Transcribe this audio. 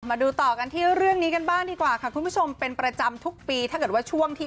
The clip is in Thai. มาดูต่อกันที่เรื่องนี้กันบ้างดีกว่าค่ะคุณผู้ชมเป็นประจำทุกปีถ้าเกิดว่าช่วงที่